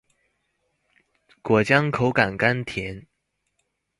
果漿口感甘甜